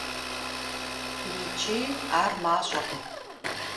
ИкӀи ар мащӀэкъым.